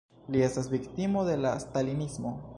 Li estas viktimo de la stalinismo.